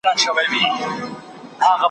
هغه چي تل به وېرېدلو ځیني !.